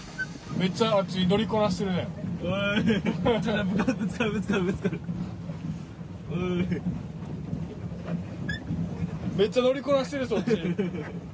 めっちゃ乗りこなしてるそっち。